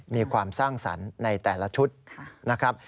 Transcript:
มีความสร้างสรรค์ในแต่ละชุดนะครับ